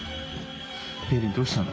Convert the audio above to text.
ベレンどうしたの？